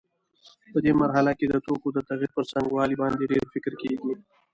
په دې مرحله کې د توکو د تغییر پر څرنګوالي باندې ډېر فکر کېږي.